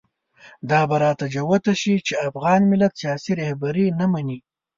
دا به راته جوته شي چې افغان ملت سیاسي رهبري نه مني.